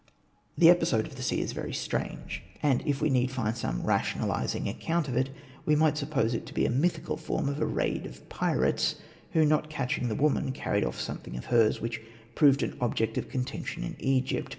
The episode of the sea is very strange ; and if we need find Hosted by Google REMARKS 79 some rationalising account of it, we might suppose it to be a mythical form of a raid of pirates, who, not catching the woman, carried off something of hers, which proved an object of contention in Egypt.